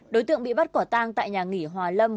đối tượng bị bắt quả tang tại nhà nghỉ hòa lâm